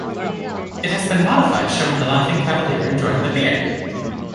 It has been modified showing the Laughing Cavalier enjoying the beer.